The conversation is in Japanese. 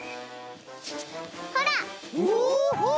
ほら！